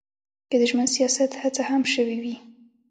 که د ژمن سیاست هڅه هم شوې وي.